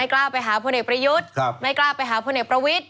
ไม่กล้าไปหาผู้เนกประยุทธิ์ไม่กล้าไปหาผู้เนกประวิทธิ์